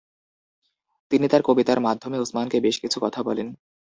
তিনি তার কবিতার মাধ্যমে উসমানকে বেশ কিছু কথা বলেন।